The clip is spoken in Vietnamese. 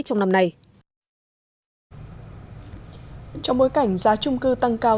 trong bối cảnh giá trung cư tăng cao